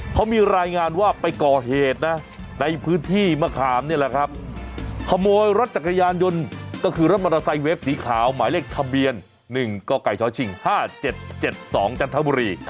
เขามีรายงานว่าไปก่อเหตุนะในพื้นที่มะขามนี่แหละครับขโมยรถจักรยานยนต์ก็คือรถมอเตอร์ไซค์เวฟสีขาวหมายเลขทะเบียน๑กกชชิง๕๗๗๒จันทบุรี